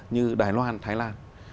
như đài loan thái lan